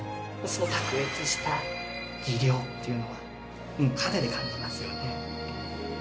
その卓越した技量っていうのは肌で感じますよね。